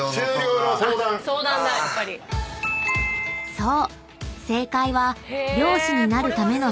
［そう！］